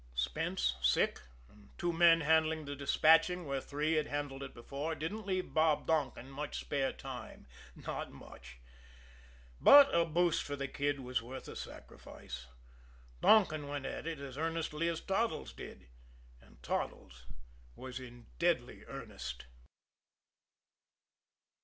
Spence sick, and two men handling the despatching where three had handled it before, didn't leave Bob Donkin much spare time not much. But a boost for the kid was worth a sacrifice. Donkin went at it as earnestly as Toddles did and Toddles was in deadly earnest.